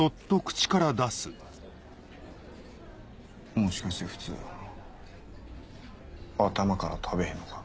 もしかして普通頭から食べへんのか？